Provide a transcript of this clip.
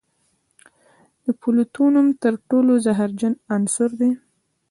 د پلوتونیم تر ټولو زهرجن عنصر دی.